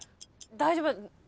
大丈夫。